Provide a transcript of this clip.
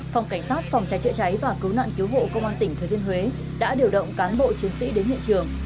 phòng cảnh sát phòng cháy chữa cháy và cứu nạn cứu hộ công an tỉnh thừa thiên huế đã điều động cán bộ chiến sĩ đến hiện trường